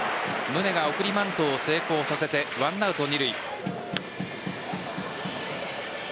宗が送りバントを成功させて１アウト二塁。